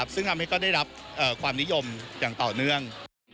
ซึ่งทำให้ก็ได้รับความนิยมอย่างต่อเนื่อง